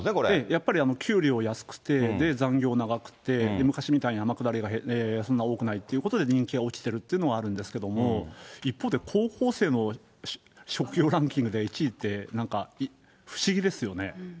やっぱり給料安くて、残業長くて、昔みたいに天下りがそんな多くないということで、人気が落ちてるっていうのはあるんですけれども、一方で、高校生の職業ランキングで１位って、なんか不思議ですよね。